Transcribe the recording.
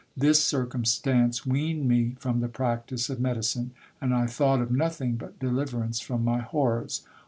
This circumstance weaned me from the practice of medicine, and I thought of nothing but deliverance from my horrors.